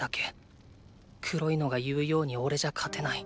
黒いのが言うようにおれじゃ勝てない。